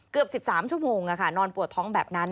เกือบ๑๓ชั่วโมงนอนปวดท้องแบบนั้น